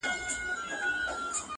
ز ماپر حا ل باندي ژړا مه كوه،